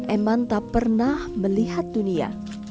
eman tak pernah melihat dunia